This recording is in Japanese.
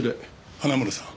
花村さん